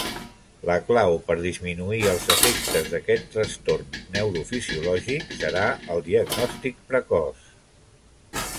La clau per disminuir els efectes d'aquest trastorn neurofisiològic serà el diagnòstic precoç.